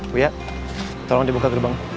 buya tolong dibuka gerbang